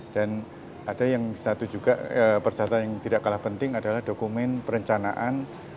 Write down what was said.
dan ada yang satu juga persata yang tidak kalah penting adalah dokumen perencanaan